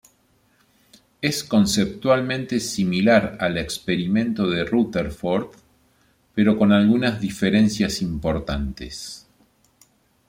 Es conceptualmente similar al Experimento de Rutherford, pero con algunas diferencias importantes.